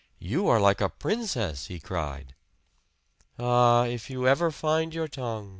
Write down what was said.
"You are like a princess!" he cried. "Ah, if you ever find your tongue!"